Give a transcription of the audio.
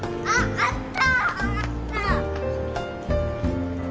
あった！